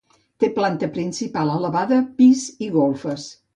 Té planta principal elevada, pis i golfes.